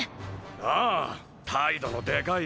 ああ態度のでかい奴でさ。